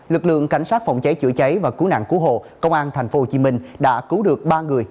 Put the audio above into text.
lực lượng cảnh sát phòng cháy chữa cháy và cứu nạn cứu hộ công an tp hcm đã cứu được ba người